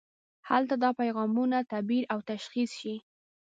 هلته دا پیغامونه تعبیر او تشخیص شي.